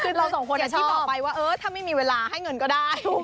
คือเราสองคนอย่างที่บอกไปว่าเออถ้าไม่มีเวลาให้เงินก็ได้